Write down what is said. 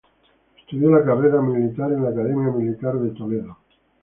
Estudió la carrera militar en la Academia Militar de Toledo.